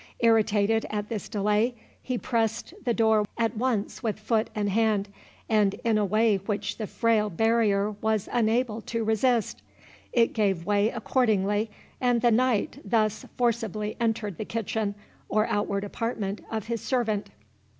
Irritated at this delay, he pressed the door at once with foot and hand, in a way which the frail barrier was unable to resist; it gave way accordingly, and the knight thus forcibly entered the kitchen, or outward apartment, of his servant.